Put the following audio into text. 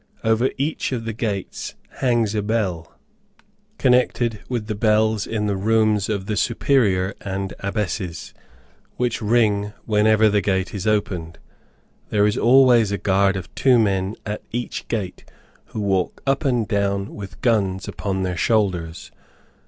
Over each of the gates hangs a bell, connected with the bells in the rooms of the Superior and Abbesses, which ring whenever the gate is opened. There is always a guard of two men at each gate, who walk up and down with guns upon their shoulders.